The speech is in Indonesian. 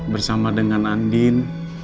bersama dengan andin